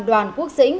đoàn quốc dĩnh